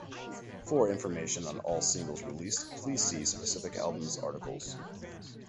For information on all singles released please see specific album's articles.